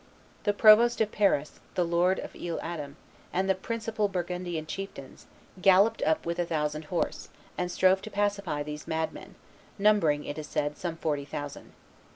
The provost of Paris, the lord of Isle Adam, and the principal Burgundian chieftains, galloped up with a thousand horse, and strove to pacify these madmen, numbering, it is said, some forty thousand.